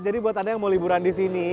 jadi buat anda yang mau liburan di sini